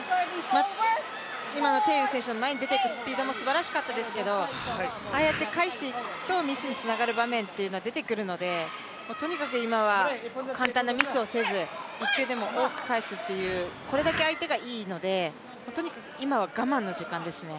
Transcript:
今の鄭雨選手の前に出ていくスピードもすばらしかったですけどああやって返していくとミスにつながる場面っていうのは出てくるのでとにかく今は簡単なミスをせず、１球でも多く返すっていう、これだけ相手がいいので、とにかく今は我慢の時間ですね。